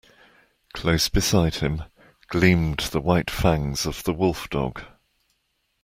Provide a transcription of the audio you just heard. Close beside him gleamed the white fangs of the wolf-dog.